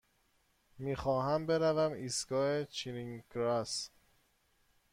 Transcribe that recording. می خواهم بروم ایستگاه چرینگ کراس.